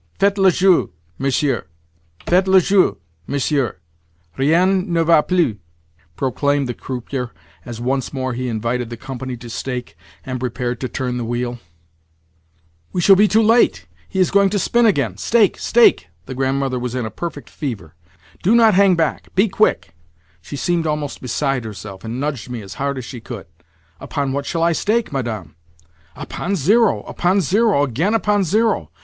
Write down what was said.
"Faites le jeu, messieurs! Faites le jeu, messieurs! Rien ne va plus," proclaimed the croupier as once more he invited the company to stake, and prepared to turn the wheel. "We shall be too late! He is going to spin again! Stake, stake!" The Grandmother was in a perfect fever. "Do not hang back! Be quick!" She seemed almost beside herself, and nudged me as hard as she could. "Upon what shall I stake, Madame?" "Upon zero, upon zero! Again upon zero!